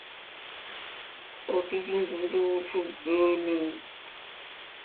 Sin embargo, en esta temporada, el Albacete descendió a Segunda División.